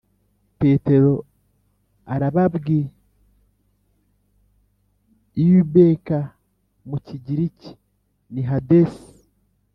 Petero Arababwiibk Mu Kigiriki Ni Hadesi